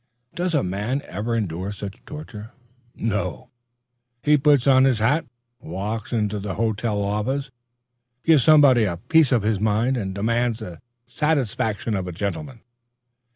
Does a man ever endure such torture? No. He puts on his hat, walks into the hotel office, gives somebody a piece of his mind, and demands the satisfaction of a gentleman.